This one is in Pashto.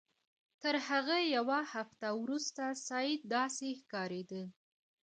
تر هغه یوه هفته وروسته سید داسې ښکارېده.